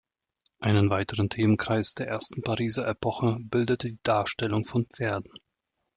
Einen weiteren Themenkreis der ersten Pariser Epoche bildete die Darstellung von Pferden.